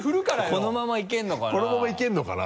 このままいけるのかな？